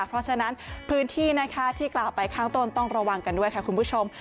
เพราะฉะนั้นพื้นที่นะคะที่กล่าวไปข้างต้นต้องระวังกันด้วยค่ะคุณผู้ชม